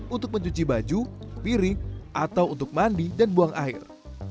untuk mencuci baju piring atau untuk mandi dan buang air